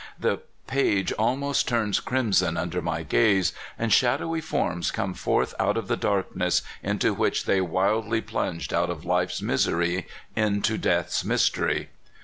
The page almost turns crim son under my gaze, and shadowy forms come forth out of the darkness into which they wildly plunged out of life's misery into death's mystery.